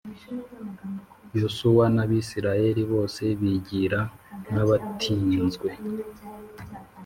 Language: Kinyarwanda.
Yosuwa n Abisirayeli bose bigira nk abatsinzwe